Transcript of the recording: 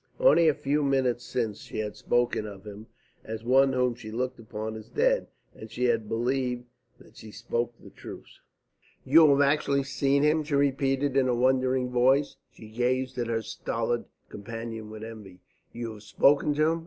Only a few minutes since she had spoken of him as one whom she looked upon as dead, and she had believed that she spoke the truth. "You have actually seen him?" she repeated in a wondering voice. She gazed at her stolid companion with envy. "You have spoken to him?